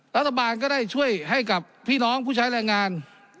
รัฐบาลก็ได้ช่วยให้กับพี่น้องผู้ใช้แรงงาน